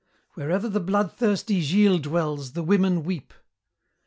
Wherever the bloodthirsty Gilles dwells the women weep.